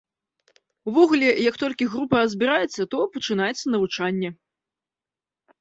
Увогуле, як толькі група збіраецца, то пачынаецца навучанне.